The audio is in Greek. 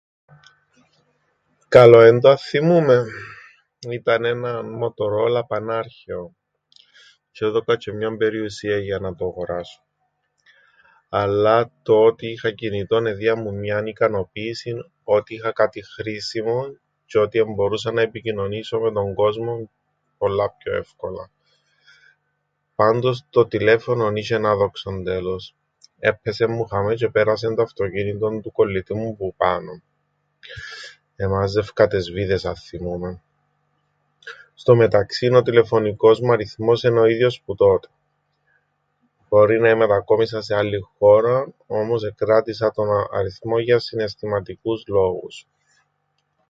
Καλό εν το αθθυμούμαι; Ήταν ένα Μοτορόλα πανάρχαιο. Τζ̆αι έδωκα τζ̆αι μιαν περιουσίαν για να το γοράσω. Αλλά το ότι είχα κινητόν εδίαν μου μιαν ικανοποίησην ότι είχα κάτι χρήσιμον τζ̆αι ότι εμπορούσα να επικοινωνήσω με τον κόσμον πολλά πιο εύκολα. Πάντως το τηλέφωνον είσ̆εν άδοξον τέλος. Εππεσεν μου χαμαί τζ̆αι επέρασεν το αυτοκίνητον του κολλητού μου που πάνω... εμάζευκα τες βίδες αθθυμούμαι. Στο μεταξύν ο τηλεφωνικός μου αριθμός εν' ο ίδιος που τότε. Μπορεί να εμετακόμισα σε άλλην χώραν, όμως εκράτησα τον αριθμόν για συναισθηματικούς λόγους.